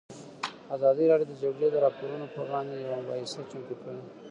ازادي راډیو د د جګړې راپورونه پر وړاندې یوه مباحثه چمتو کړې.